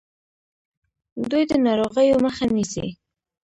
دوی د ناروغیو مخه نیسي.